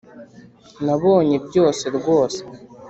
nabonye byose rwose